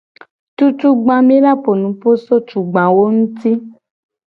Cucugba mi la po nupo so tugbawo nguti.